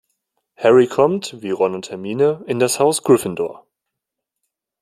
Harry kommt, wie Ron und Hermine, in das Haus Gryffindor.